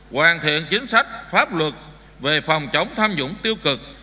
hoàn thiện chính sách pháp luật về phòng chống tham nhũng tiêu cực